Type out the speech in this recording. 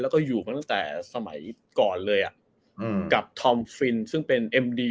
แล้วก็อยู่มาตั้งแต่สมัยก่อนเลยอ่ะอืมกับทอมฟินซึ่งเป็นเอ็มดี